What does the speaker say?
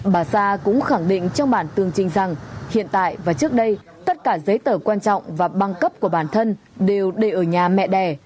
bà sa cũng khẳng định trong bản tường trình rằng hiện tại và trước đây tất cả giấy tờ quan trọng và băng cấp của bản thân đều để ở nhà mẹ đẻ